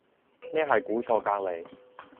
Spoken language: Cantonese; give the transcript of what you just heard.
咩係估錯隔離